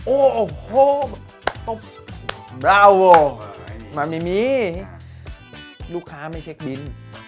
โอ้โหปับป้าวลูกค้าไม่เช็คบิน